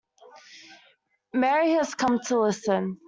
Mary has come to listen.